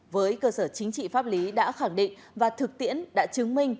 với cơ sở chính trị pháp lý đã khẳng định và thực tiễn đã chứng minh